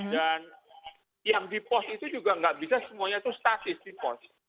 dan yang di pos itu juga nggak bisa semuanya itu statis di pos